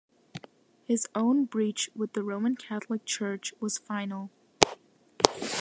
His own breach with the Roman Catholic Church was final.